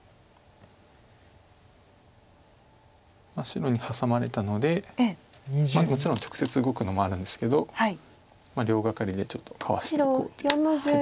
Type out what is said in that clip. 白にハサまれたのでもちろん直接動くのもあるんですけど両ガカリでちょっとかわしていこうと。